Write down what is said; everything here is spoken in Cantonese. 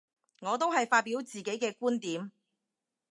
我都係發表自己嘅觀點